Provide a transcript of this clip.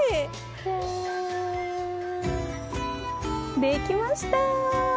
できました！